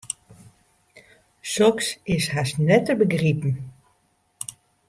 Soks is hast net te begripen.